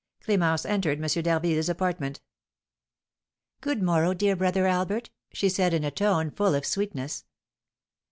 Clémence entered M. d'Harville's apartment. "Good morrow, dear brother Albert," she said, in a tone full of sweetness.